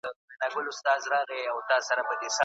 دا د کرکټ میدان د نړیوالو سیالیو د ترسره کولو لپاره چمتو دی.